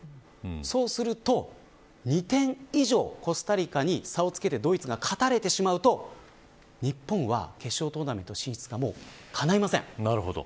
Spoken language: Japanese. そうすると２点以上コスタリカに差をつけてドイツが勝たれてしまうと日本は決勝トーナメント進出がかないません。